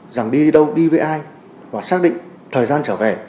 rằng đi đâu đi với ai và xác định thời gian trở về